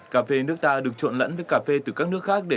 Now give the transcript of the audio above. cà phê nước ta được trộn lẫn với cà phê từ các nước khác để chế biến